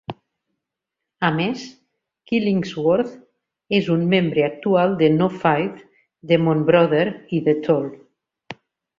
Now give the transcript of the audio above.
A més, Killingsworth és un membre actual de No Faith, Demonbrother i The Toll.